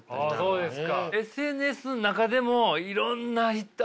そうです。